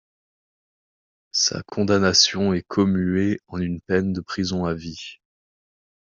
Sa condamnation est commuée en une peine de prison à vie.